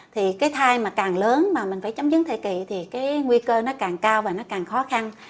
thì cái thai mà càng lớn mà mình phải chấm dứt thời kỳ thì cái nguy cơ nó càng cao và nó càng khó khăn